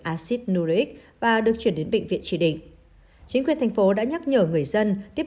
acid nuric và được chuyển đến bệnh viện chỉ định chính quyền thành phố đã nhắc nhở người dân tiếp